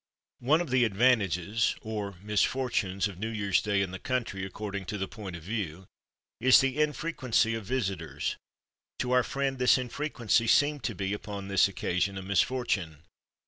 One of the advantages, or misfortunes, of New Year's Day in the country, according to the point of view, is the infrequency of visitors. To our friend this infrequency seemed to be, upon this occasion, a misfortune.